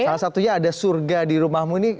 salah satunya ada surga di rumahmu nih